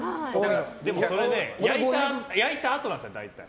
でもそれね焼いたあとなんですよ、大体。